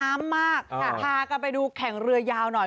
มากพากันไปดูแข่งเรือยาวหน่อย